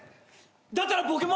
だったら僕も！